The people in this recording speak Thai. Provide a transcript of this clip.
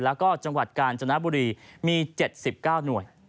แล้วก็จังหวัดกาญจนบุรีมี๗๙หน่วย